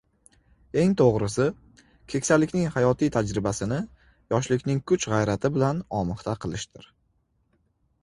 Eng to‘g‘risi, keksalikning hayotiy tajribasini yoshlikning kuch-g‘ayrati bilan omixta qilishdir.